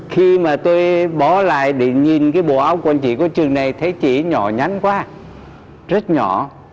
khi mà tôi bỏ lại để nhìn cái bộ áo quần chị có trường này thấy chị nhỏ nhắn quá rất nhỏ